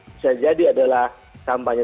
bisa jadi adalah kampanye